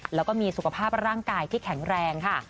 แล้วก็มีสุขภาพร่างกายที่แข็งแรงค่ะ